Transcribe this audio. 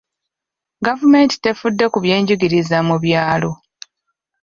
Gavumenti tefudde ku byenjigiriza mu byalo.